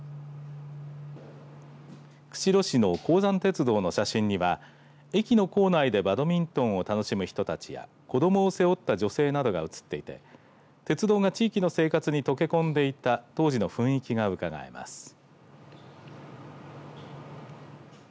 釧路市の鉱山鉄道の写真には駅の構内でバドミントンを楽しむ人たちや子どもを背負った女性などが写っていて鉄道が地域の生活に溶け込んでいた当時の雰囲気がうかがえます。